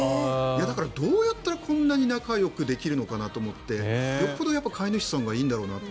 だからどうやったらこんなに仲よくできるのかなと思ってよほど飼い主さんがいいのかなと。